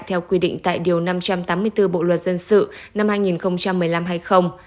theo quy định tại điều năm trăm tám mươi bốn bộ luật dân sự năm hai nghìn một mươi năm hay không